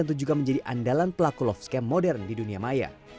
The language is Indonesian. tentu juga menjadi andalan pelaku love scam modern di dunia maya